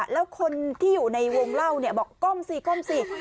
แล้วคนที่อยู่ในวงเล่าเนี่ยบอกก้มสิก้มสิ